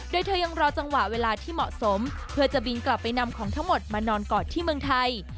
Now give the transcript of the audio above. โดยเธอยังรอจังหวะเวลาที่เหมาะสมเพื่อจะบินกลับไปนำของทั้งหมดมานอนกอดที่เมืองไทย